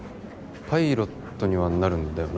パイロットにはなるんだよな？